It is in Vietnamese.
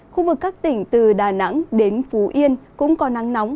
khu vực các tỉnh từ đà nẵng đến phú yên cũng có nắng nóng